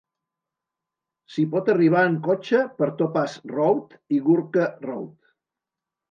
S'hi pot arribar en cotxe per Topaz Road i Gourka Road.